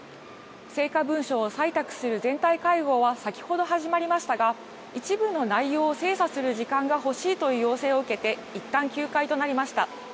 成果文書を採択する全体会合は先ほど始まりましたが一部の内容を精査する時間が欲しいという要請を受けていったん休会となりました。